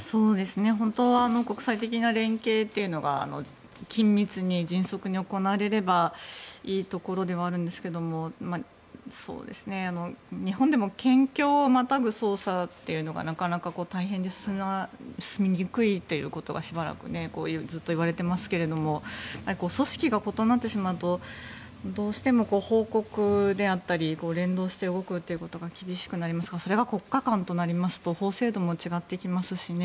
本当は国際的な連携というのが緊密に、迅速に行われればいいところではあるんですが日本でも県境をまたぐ捜査というのがなかなか大変で進みにくいということがしばらくずっと言われていますが組織が異なってしまうとどうしても報告であったり連動して動くということが厳しくなりますがそれが国家間となりますと法制度も違ってきますしね。